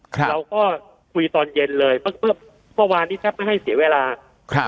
เราก็คุยตอนเย็นเลยเพื่อเมื่อวานนี้แทบไม่ให้เสียเวลาครับ